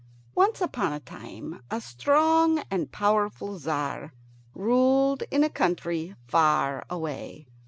Once upon a time a strong and powerful Tzar ruled in a country far away.